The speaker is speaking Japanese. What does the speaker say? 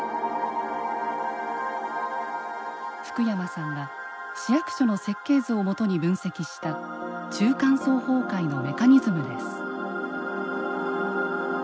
福山さんが市役所の設計図をもとに分析した中間層崩壊のメカニズムです。